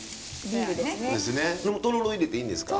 とろろ入れていいんですか？